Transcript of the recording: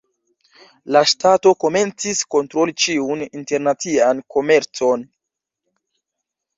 La ŝtato komencis kontroli ĉiun internacian komercon.